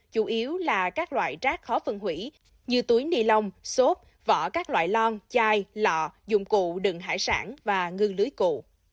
chủ yếu là các loại rác khó phân hủy như túi nilon sốt vỏ các loại lon chai lọ dụng cụ đừng hải sản và ngư lưới cụ